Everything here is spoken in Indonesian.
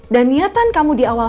dan niatan kamu di awal